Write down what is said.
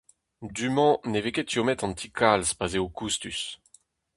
Du-mañ ne vez ket tommet an ti kalz pa'z eo koustus.